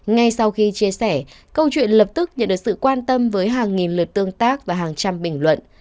ngay sau khi chia sẻ câu chuyện lập tức nhận được sự quan tâm với hàng nghìn lượt tương tác và hàng trăm bình luận